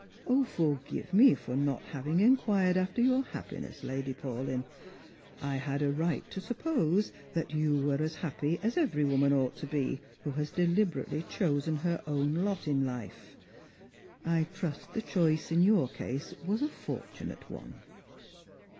Forgive me for not having inquired after your happiness, Lady Paulyn. I had a right to suppose that you were as happy as every woman ought to be who has deliberately chosen her own lot in life. I trust the choice in your case was a fortunate one."